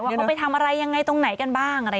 ว่าเขาไปทำอะไรอย่างไรตรงไหนกันบ้าง